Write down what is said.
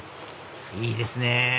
いいですね！